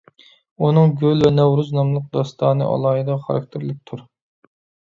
ئۇنىڭ «گۈل ۋە نەۋرۇز» ناملىق داستانى ئالاھىدە خاراكتېرلىكتۇر.